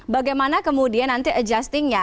bagaimana kemudian nanti adjustingnya